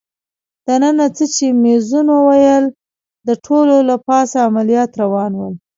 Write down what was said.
دننه څه چي مېزونه ول، د ټولو له پاسه عملیات روان ول.